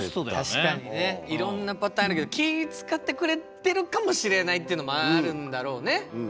確かにねいろんなパターンあるけど気ぃ遣ってくれてるかもしれないっていうのもあるんだろうね。